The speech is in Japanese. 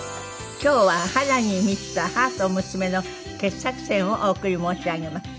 今日は波乱に満ちた母と娘の傑作選をお送り申し上げます。